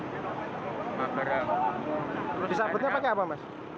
disabetnya pakai apa mas